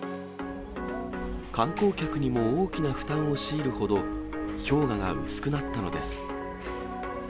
観光客にも大きな負担を強いるほど、氷河が薄くなったのです。